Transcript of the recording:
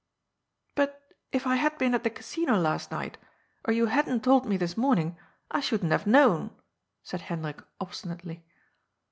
*'^^ But if I had been at the Casino last night, or you hadn't told me this morning, I shouldn't have known," said Hendrik obstinately.